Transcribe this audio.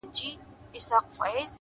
• ځه چي دواړه د پاچا کورته روان سو ,